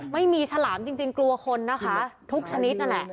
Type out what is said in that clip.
ฉลามจริงกลัวคนนะคะทุกชนิดนั่นแหละ